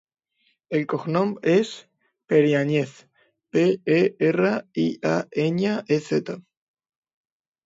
El cognom és Periañez: pe, e, erra, i, a, enya, e, zeta.